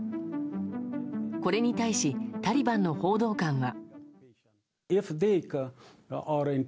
これに対しタリバンの報道官は。